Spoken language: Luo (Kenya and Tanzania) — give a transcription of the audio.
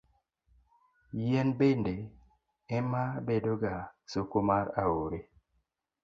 Yien bende ema bedoga soko mar aore.